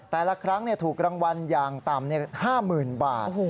แต่ละครั้งถูกรางวัลอย่างต่ำ๕๐๐๐บาท